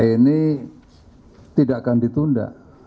ini tidak akan ditunda